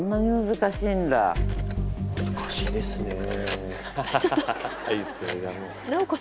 難しいですねえ。